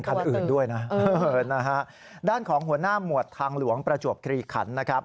คันอื่นด้วยนะด้านของหัวหน้าหมวดทางหลวงประจวบคลีขันนะครับ